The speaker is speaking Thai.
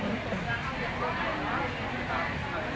ทุกวันใหม่ทุกวันใหม่